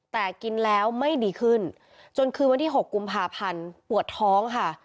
แต่กินแล้วไม่ดีขึ้นจนคืนวันที่๖กุมภาพันธ์ปวดท้องค่ะ